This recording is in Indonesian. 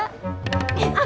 sampai jumpa lagi